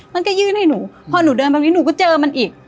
อ๋อมันก็ยืดในหนูพอหนูเดินบางทีหนูก็เจอมันอีก